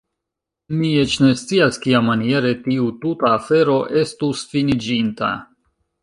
Mi eĉ ne scias kiamaniere tiu tuta afero estus finiĝinta.